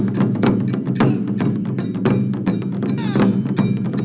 ถ้าพร้อมแล้วนะครับ